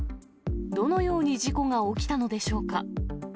どのように事故が起きたのでしょうか。